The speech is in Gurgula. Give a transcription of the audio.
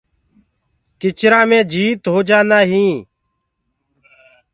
ڪِچرآ مي جيت هوجآندآ هينٚ۔